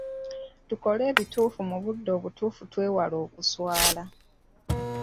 Tukole ebituufu mu budde obutuufu twewale okuswala.